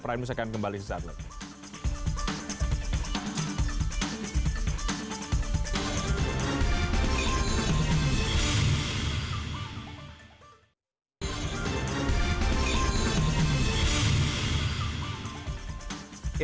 prime news akan kembali sesaat lagi